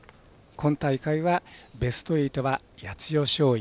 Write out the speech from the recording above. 今大会はベスト８は八千代松陰